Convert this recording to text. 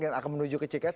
dan akan menuju ke cks